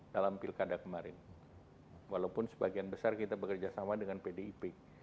dalam pilkada kemarin walaupun sebagian besar kita bekerja sama dengan pdip